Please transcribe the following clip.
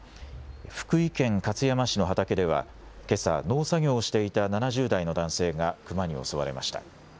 福井県勝山市の畑では、けさ、農作業をしていた７０代の男性が、クマに襲われました。